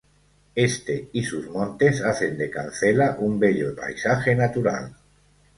Este y sus montes, hacen de Cancela un bello paisaje natural.